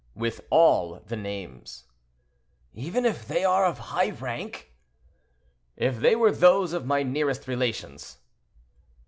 "With all the names." "Even if they are of high rank?" "If they were those of my nearest relations."